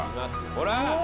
ほら！